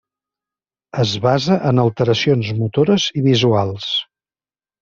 Es basa en alteracions motores i visuals.